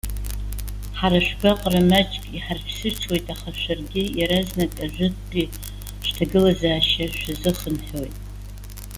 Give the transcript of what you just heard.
Ҳара шәгәаҟра маҷк иҳарԥсыҽуеит, аха шәаргьы иаразнак ажәытәтәи шәҭагылазаашьа шәазыхынҳәуеит.